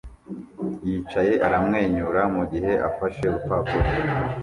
yicyayi aramwenyura mugihe afashe urupapuro